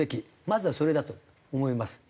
まずはそれだと思います。